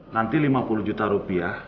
nanti lima puluh juta rupiah